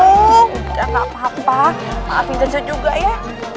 udah gak papa maafin suci juga ya